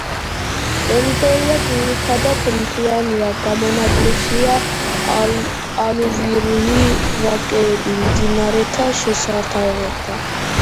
ტერიტორია ძირითადად მთიანია, გამონაკლისია ალუვიური ვაკეები მდინარეთა შესართავებთან.